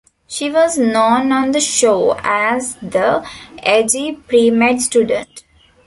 She was known on the show as the "edgy pre-med student".